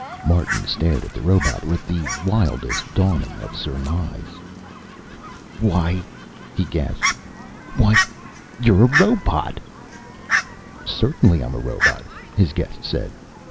Martin stared at the robot with the wildest dawning of surmise. "Why " he gasped. "Why you're a robot!" "Certainly I'm a robot," his guest said.